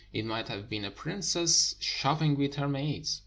it might have been a princess shopping with her maids.